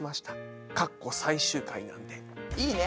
いいね。